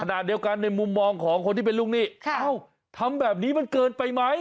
ขณะเดียวกันในมุมมองของคนที่เป็นลูกหนี้เอ้าทำแบบนี้มันเกินไปไหม